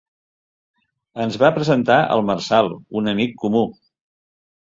Ens va presentar el Marçal, un amic comú.